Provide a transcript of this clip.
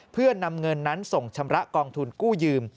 เพื่อนำเงินนั้นส่งชำระกองทุนกู้ยืม